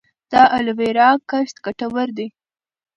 د الوویرا کښت ګټور دی؟